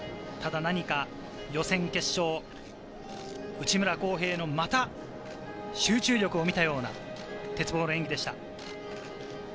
ただ何か予選、決勝、内村航平のまた集中力を見たような鉄棒の演技でした。